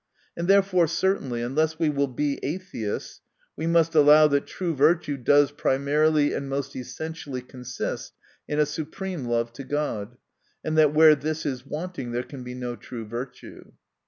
And therefore certainly, unless we will be atheists, we must allow that true virtue does prima rily and most essentially consist in a supreme love to God ; and that where this is wanting there can be no true virtue.